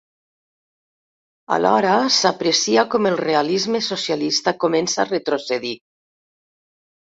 Alhora s'aprecia com el realisme-socialista comença a retrocedir.